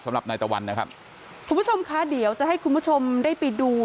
สำหรับนายตะวันนะครับคุณผู้ชมคะเดี๋ยวจะให้คุณผู้ชมได้ไปดู